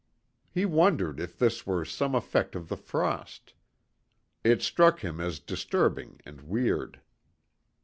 He wondered if this were some effect of the frost; it struck him as disturbing and weird.